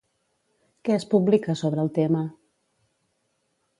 Què es publica sobre el tema?